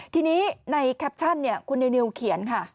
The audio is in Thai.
ทีนี้ในแคปชั่นคุณนิวเขียนค่ะ